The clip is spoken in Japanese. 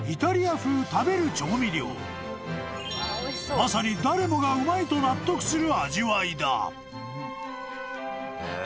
［まさに誰もがうまいと納得する味わいだ］